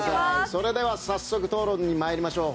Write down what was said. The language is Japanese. それでは早速討論にまいりましょう。